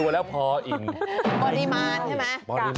แล้วคุณกินกี่ตัววันนึง